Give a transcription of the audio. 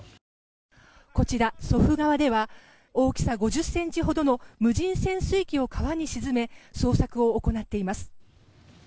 こちら、祖父川では大きさ５０ｃｍほどの無人潜水機を川に沈め捜索を行っています。